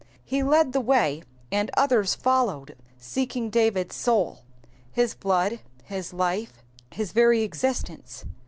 He led the way, and others followed seeking David^s soul, his blood, his life, his very existence.